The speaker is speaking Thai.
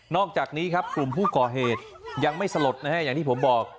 อกจากนี้ครับกลุ่มผู้ก่อเหตุยังไม่สลดนะฮะอย่างที่ผมบอก